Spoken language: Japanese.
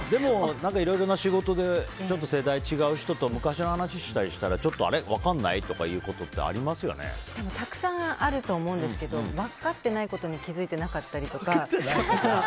でも、いろいろな仕事でちょっと世代違う人と昔の話したりしたらあれ、分からない？ってことってたくさんあると思うんですけど分かってないことに気づいてなかったりとか。